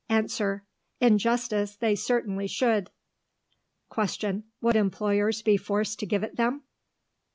Answer: In justice they certainly should. Question: Would employers be forced to give it them?